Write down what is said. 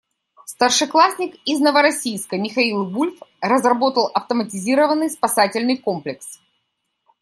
Старшеклассник из Новороссийска Михаил Вульф разработал автоматизированный спасательный комплекс.